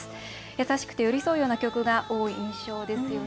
優しくて寄り添うような曲が多い印象ですよね。